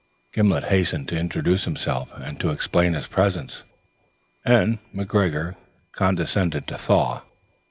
Gimblet hastened to introduce himself and to explain his presence, and McGregor condescended to thaw.